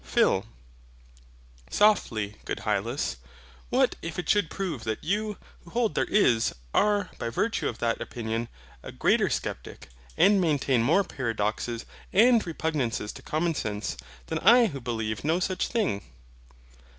PHIL. Softly, good Hylas. What if it should prove that you, who hold there is, are, by virtue of that opinion, a greater sceptic, and maintain more paradoxes and repugnances to Common Sense, than I who believe no such thing?